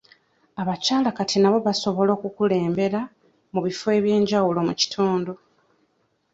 Abakyala kati nabo basobola okukulembera mu ebifo eby'enjawulo mu kitundu.